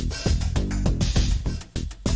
เมื่อกี้ก็ไม่มีเมื่อกี้